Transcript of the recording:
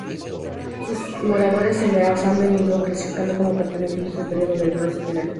Sus moradores se les ha venido clasificando como pertenecientes al periodo del Bronce Final.